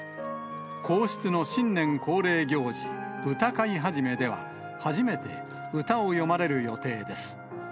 皇室の新年恒例行事、歌会始では、初めて歌を詠まれる予定です。